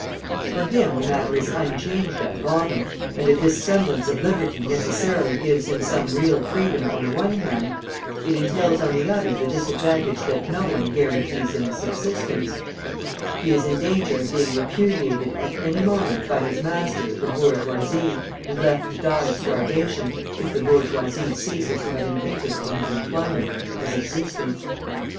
For him the matter is unchanged at bottom, and if this semblance of liberty necessarily gives him some real freedom on the one hand, it entails on the other the disadvantage that no one guarantees him a subsistence, he is in danger of being repudiated at any moment by his master, the bourgeoisie, and left to die of starvation, if the bourgeoisie ceases to have an interest in his employment, his existence.